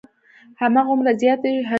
هماغومره زیاتې حشوي پالې وې.